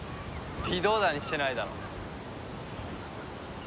微動だにしてないだろ。